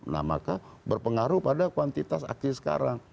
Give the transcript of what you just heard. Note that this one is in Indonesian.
nah maka berpengaruh pada kuantitas aksi sekarang